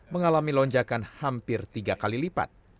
mengalami lonjakan hampir tiga kali lipat